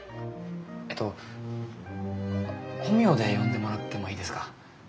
えっと本名で呼んでもらってもいいですか？